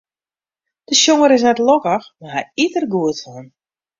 De sjonger is net lokkich, mar hy yt der goed fan.